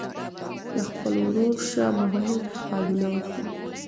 د خپل ورور شاه محمود مقابله وکړي.